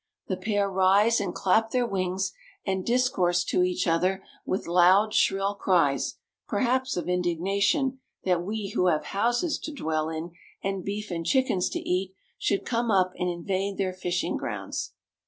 The pair rise and clap their wings, and discourse to each other with loud, shrill cries, perhaps of indignation, that we who have houses to dwell in, and beef and chickens to eat, should come up and invade their fishing grounds.